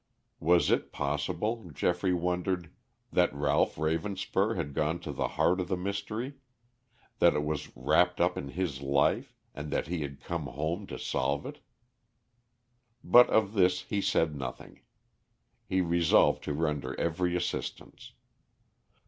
Was it possible, Geoffrey wondered, that Ralph Ravenspur had gone to the heart of the mystery, that it was wrapped up in his life, and that he had come home to solve it? But of this he said nothing. He resolved to render every assistance.